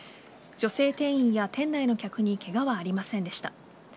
女性店員や店内の客にケガはありませんでした。